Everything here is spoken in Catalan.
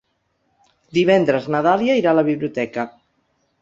Divendres na Dàlia irà a la biblioteca.